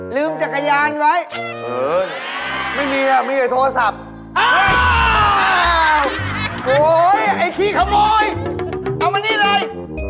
ลืมจักรยานไว้ไม่มีอ่ะไม่มีไอ้โทรศัพท์อ้าวโอ๊ยไอ้ขี้ขโมยเอามานี่เลย